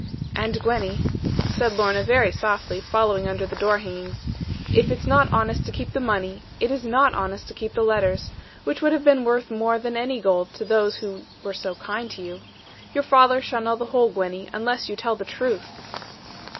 'And, Gwenny,' said Lorna very softly, following under the door hangings; 'if it is not honest to keep the money, it is not honest to keep the letters, which would have been worth more than any gold to those who were so kind to you. Your father shall know the whole, Gwenny, unless you tell the truth.'